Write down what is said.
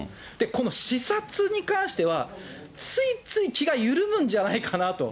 この視察に関しては、ついつい、気が緩むんじゃないかなと。